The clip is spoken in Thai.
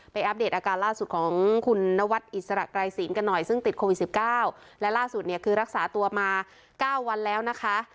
อัปเดตอาการล่าสุดของคุณนวัดอิสระไกรศีลกันหน่อยซึ่งติดโควิดสิบเก้าและล่าสุดเนี่ยคือรักษาตัวมาเก้าวันแล้วนะคะ